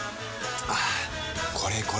はぁこれこれ！